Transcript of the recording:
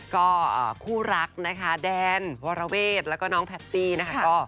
ก็คู่รักนะคะแดนวรเวทแล้วก็น้องแพตตี้นะคะ